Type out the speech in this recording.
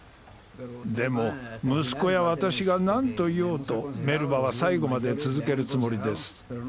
でも息子や私が何と言おうとメルバは最後まで続けるつもりです。